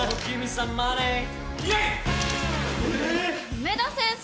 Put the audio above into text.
梅田先生。